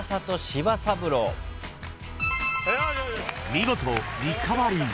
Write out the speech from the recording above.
［見事リカバリー］